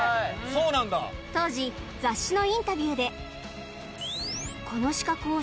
当時雑誌のインタビューで